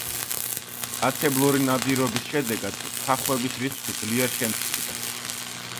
მტაცებლური ნადირობის შედეგად თახვების რიცხვი ძლიერ შემცირდა.